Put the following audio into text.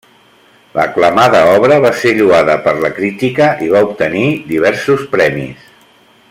L'aclamada obra va ser lloada per la crítica i va obtenir diversos premis.